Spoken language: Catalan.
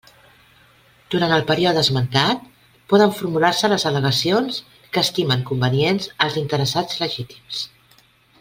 Durant el període esmentat poden formular-se les al·legacions que estimen convenients els interessats legítims.